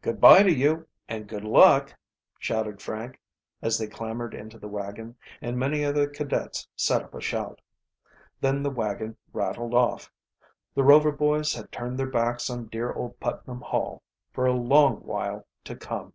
"Good by to you, and good luck!" shouted Frank, as they clambered into the wagon, and many other cadets set up a shout. Then the wagon rattled off. The Rover boys had turned their backs on dear old Putnam Hall for a long while to come.